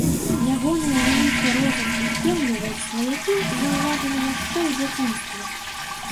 Ягоныя вялікі розум і кемлівасць сваякі заўважылі яшчэ ў дзяцінстве.